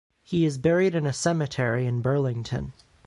He is buried in a cemetery in Burlington.